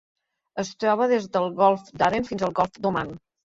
Es troba des del golf d'Aden fins al golf d'Oman.